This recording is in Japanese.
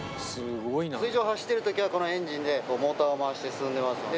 水上を走っているときは、このエンジンで、モーターを回して進んでます。